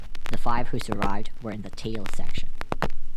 The five who survived were in the tail section.